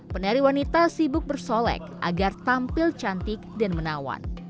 penari wanita sibuk bersolek agar tampil cantik dan menawan